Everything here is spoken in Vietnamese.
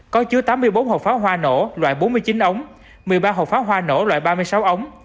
có chứa tám mươi bốn hộp pháo hoa nổ loại bốn mươi chín ống một mươi ba hộp pháo hoa nổ loại ba mươi sáu ống